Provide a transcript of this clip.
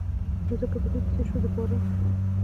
نو ځکه په دوی پسې شو د باران غوښتلو ته.